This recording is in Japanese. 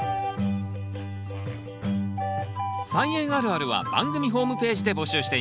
「菜園あるある」は番組ホームページで募集しています。